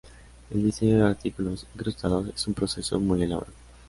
El diseño de artículos incrustados es un proceso muy elaborado.